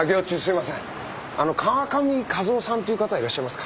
川上和雄さんという方はいらっしゃいますか？